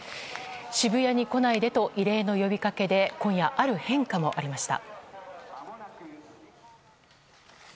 渋谷に来ないでと異例の呼びかけで今夜、ある変化もありました。